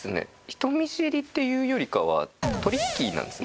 人見知りっていうよりかはトリッキーなんですね。